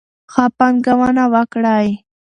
ښه پانګونه وکړئ.